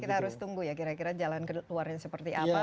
kita harus tunggu ya kira kira jalan keluarnya seperti apa